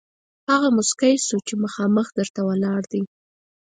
هغه موسکی شو چې مخامخ در ته ولاړ دی.